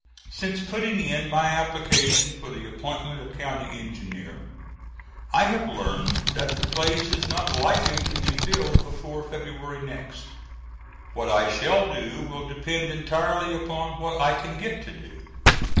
Since putting in my application for the appointment of County Engineer, I have learned that the place is not likely to be filled before February next. What I shall do will depend entirely upon what I can get to do.